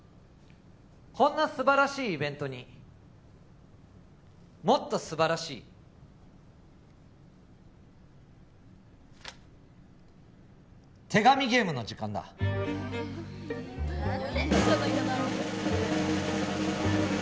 こんなすばらしいイベントにもっとすばらしい手紙ゲームの時間だええ